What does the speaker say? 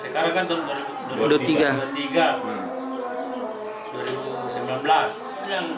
sekarang kan tahun dua ribu tiga dua puluh tiga